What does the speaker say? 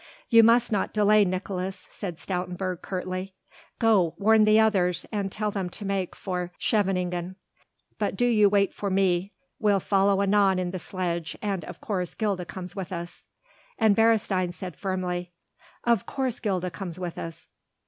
"You must not delay, Nicolaes," said Stoutenburg curtly, "go, warn the others and tell them to make for Scheveningen. But do you wait for me we'll follow anon in the sledge and, of course, Gilda comes with us." And Beresteyn said firmly: "Of course, Gilda comes with us."